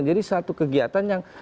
jadi satu kegiatan yang